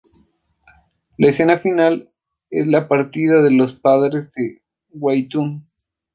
La escena final es la partida de los padres de Wai-tun.